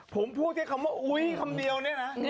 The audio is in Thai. ผมพูดในคำว่าอุ้ยคำเดียวนะ